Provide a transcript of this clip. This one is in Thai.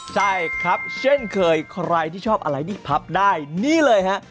ใช่ครับเช่นเคยใครที่ชอบอะไรนี่พับได้นี่เลยฮะ